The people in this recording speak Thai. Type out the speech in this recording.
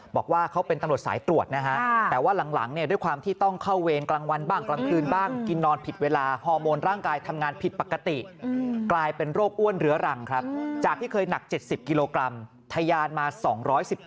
บอกว่าเขาเป็นตำรวจสายตรวจแต่หลังด้วยความที่ต้องเข้าเวณกลางวันบ้าง